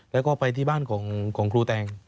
แล้วก็ไปที่บ้านของครูแตง